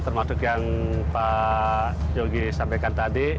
termasuk yang pak yogi sampaikan tadi